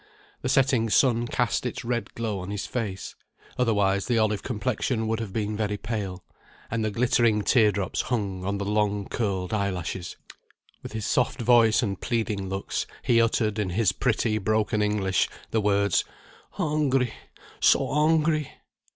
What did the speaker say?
The setting sun cast its red glow on his face, otherwise the olive complexion would have been very pale; and the glittering tear drops hung on the long curled eye lashes. With his soft voice and pleading looks, he uttered, in his pretty broken English, the words "Hungry! so hungry."